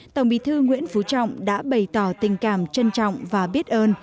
tổng bí thư nguyễn phú trọng đã bày tỏ tình cảm trân trọng và biết ơn